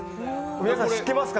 皆さん、知ってますか？